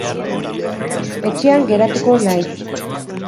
Etxean geratuko naiz.